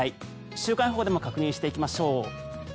週間予報でも確認していきましょう。